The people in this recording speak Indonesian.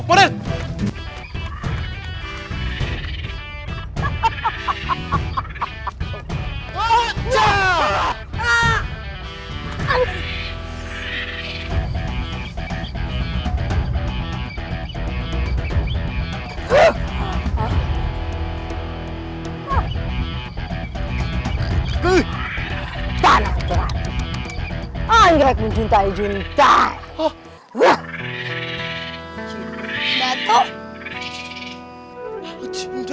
tanah tanah anggrek mencintai cintai